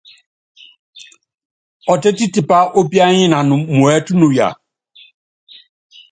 Ɔtɛ́t tipá úpíányinan muɛ́t nuya.